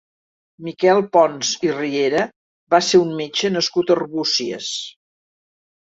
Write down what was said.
Miquel Pons i Riera va ser un metge nascut a Arbúcies.